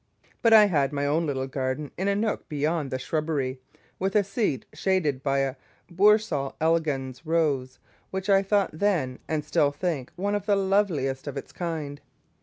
But I had my own little garden in a nook beyond the shrubbery, with a seat shaded by a Boursault elegans Rose, which I thought then, and still think, one of the loveliest of its kind.